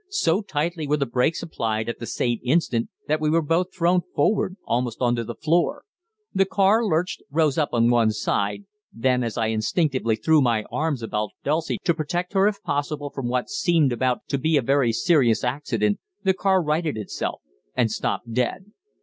So tightly were the brakes applied at the same instant that we were both thrown forward almost on to the floor. The car lurched, rose up on one side, then as I instinctively threw my arms about Dulcie to protect her if possible from what seemed about to be a very serious accident, the car righted itself and stopped dead.